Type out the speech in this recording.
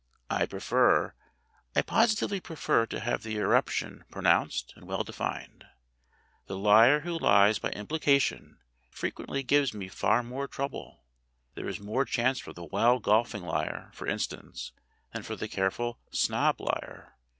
I pre fer I positively prefer to have the eruption pro nounced and well defined. The liar who lies by impli cation frequently gives me far more trouble. There is more chance for the wild golfing liar, for instance, than for the careful snob liar.